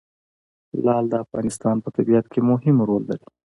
لعل د افغانستان په طبیعت کې مهم رول لري.